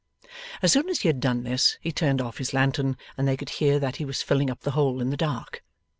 As soon as he had done this, he turned off his lantern, and they could hear that he was filling up the hole in the dark.